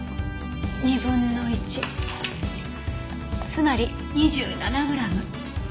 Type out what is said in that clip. つまり２７グラム。